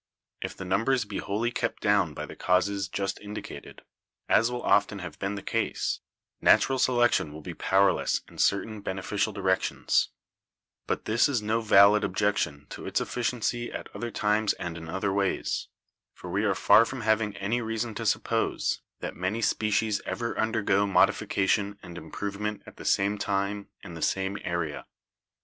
If the numbers be wholly kept down by the causes just indicated, as will often have been the case, natural selection will be powerless in certain bene ficial directions; but this is no valid objection to its effi ciency at other times and in other ways, for we are far from having any reason to suppose that many species ever undergo modification and improvement at the same time in the same area."